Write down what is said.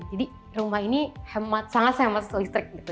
jadi rumah ini sangat hemat listrik gitu